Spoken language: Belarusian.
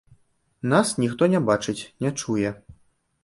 Нас ніхто не бачыць, не чуе.